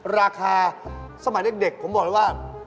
ราคาสมัยเด็กผมบอกเลยว่า